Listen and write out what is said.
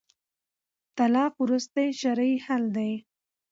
طلاق وروستی شرعي حل دی